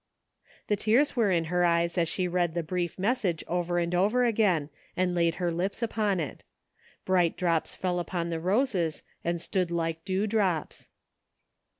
The tears were in her eyes as she read the brief message over and over again, and laid her lips upon it Bright drops fell upon the roses and stood like dew drops.